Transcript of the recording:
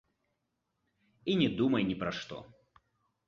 І не думай ні пра што.